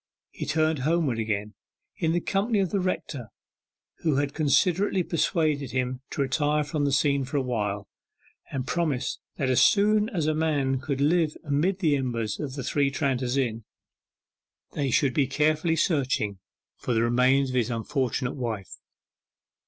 He turned homeward again, in the company of the rector, who had considerately persuaded him to retire from the scene for a while, and promised that as soon as a man could live amid the embers of the Three Tranters Inn, they should be carefully searched for the remains of his unfortunate wife.